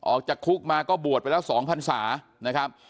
ออกจากคุกมาก็บวชไปแล้ว๒พันศานะครับ